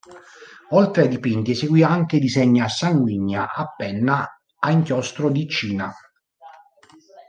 Oltre ai dipinti, eseguì anche disegni a sanguigna, a penna, a inchiostro di Cina.